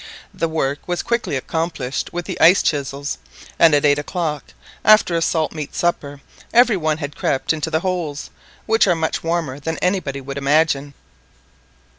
The work was quickly accomplished with the ice chisels, and at eight o'clock, after a salt meat supper, every one had crept into the holes, which are much warmer than anybody would imagine.